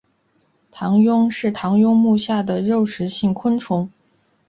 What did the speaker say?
螳䗛是螳䗛目下的肉食性昆虫。